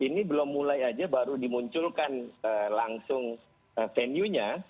ini belum mulai aja baru dimunculkan langsung venue nya